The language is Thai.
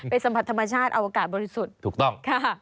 สัมผัสธรรมชาติอวกาศบริสุทธิ์ถูกต้องค่ะ